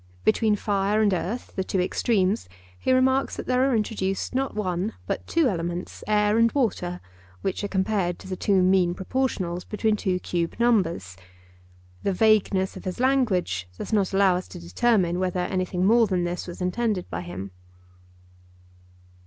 Between fire and earth, the two extremes, he remarks that there are introduced, not one, but two elements, air and water, which are compared to the two mean proportionals between two cube numbers. The vagueness of his language does not allow us to determine whether anything more than this was intended by him.